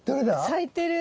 咲いてる。